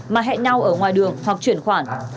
và hẹn nhau ở ngoài đường hoặc chuyển khoản